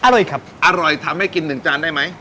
อร่อยครับทำให้กิน๑จานได้ไหม